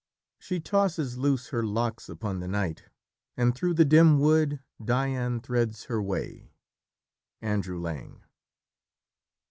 She tosses loose her locks upon the night, And through the dim wood Dian threads her way." Andrew Lang.